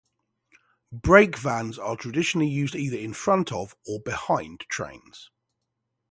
Brake vans are traditionally used either in front of, or behind trains.